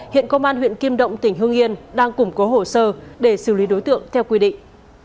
hiện công an huyện kim động tỉnh hương yên đang củng cố hồ sơ để xử lý đối tượng theo quy định